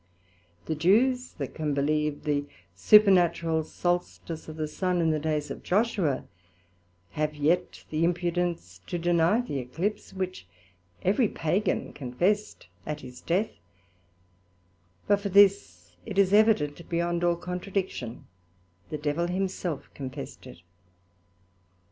The Jews, that can believe the supernatural Solstice of the Sun in the days of Joshua, have yet the impudence to deny the Eclipse, which every Pagan confessed, at his death: but for this, it is evident beyond all contradiction, the Devil himself confessed it.